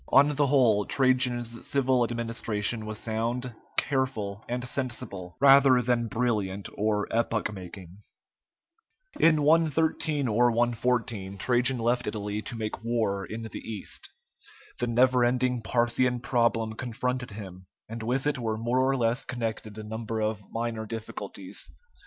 On the whole, Trajan's civil administration was sound, careful, and sensible, rather than brilliant or epoch making. [Illustration: Rome under Trajan A chariot race.] In 113 or 114 Trajan left Italy to make war in the East. The never ending Parthian problem confronted him, and with it were more or less connected a number of minor difficulties.